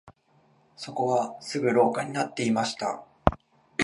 そこはすぐ廊下になっていました